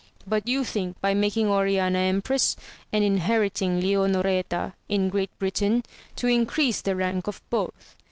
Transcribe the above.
But you think by making Oriana empress, and inheriting Leonoreta in Great Britain, to increase the rank of both.